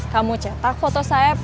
kamu cetak foto saeb